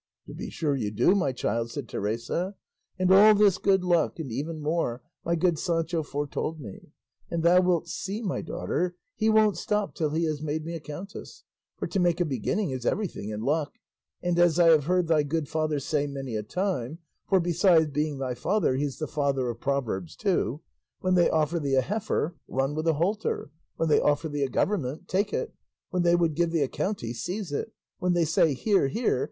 "To be sure you do, my child," said Teresa; "and all this good luck, and even more, my good Sancho foretold me; and thou wilt see, my daughter, he won't stop till he has made me a countess; for to make a beginning is everything in luck; and as I have heard thy good father say many a time (for besides being thy father he's the father of proverbs too), 'When they offer thee a heifer, run with a halter; when they offer thee a government, take it; when they would give thee a county, seize it; when they say, "Here, here!"